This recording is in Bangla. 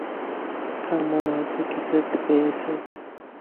স্যার, মনে হচ্ছে কিছু একটা পেয়েছি।